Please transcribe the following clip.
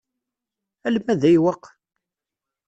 Alma d ayweq?